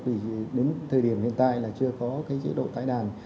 vì đến thời điểm hiện tại là chưa có cái chế độ tái đàn